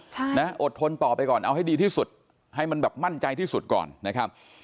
ใช่นะอดทนต่อไปก่อนเอาให้ดีที่สุดให้มันแบบมั่นใจที่สุดก่อนนะครับ